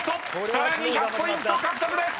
［さらに１００ポイント獲得です］